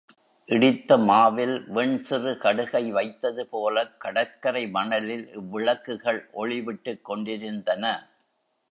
இடித்த மாவில் வெண்சிறுகடுகை வைத்தது போலக் கடற்கரை மணலில் இவ்விளக்குகள் ஒளி விட்டுக் கொண்டிருந்தன.